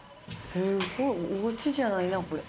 すごいおうちじゃないなこれ。